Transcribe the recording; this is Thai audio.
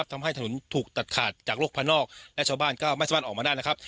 ทำให้ถนนถูกตัดขาดจากโลกภายนอกและชาวบ้านก็ไม่สามารถออกมาได้นะครับ